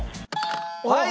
はい！